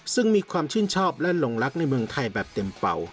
ซึ่งมีความชื่นชอบและหลงรักในเมืองไทยแบบเต็มเป่า